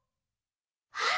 あっ！